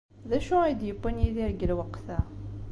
D acu ay d-yewwin Yidir deg lweqt-a?